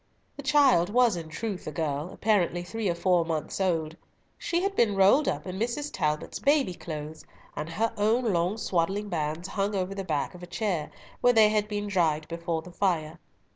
The child was in truth a girl, apparently three or four months old. She had been rolled up in Mrs. Talbot's baby's clothes, and her own long swaddling bands hung over the back of a chair, where they had been dried before the fire.